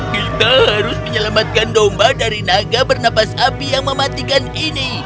kita harus menyelamatkan domba dari naga bernapas api yang mematikan ini